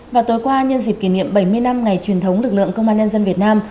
và tối qua nhân dịp kỷ niệm bảy mươi năm ngày truyền thống lực lượng công an nhân dân việt nam